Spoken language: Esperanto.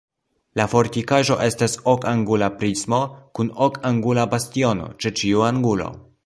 La fortikaĵo estas okangula prismo kun okangula bastiono ĉe ĉiu angulo.